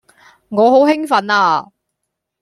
我好興奮呀